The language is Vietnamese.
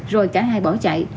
rồi cả hai bỏ chạy